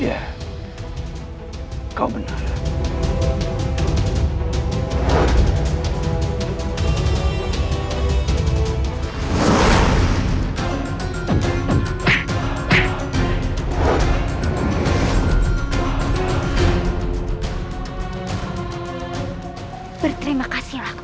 aku sudah tahu siapa kau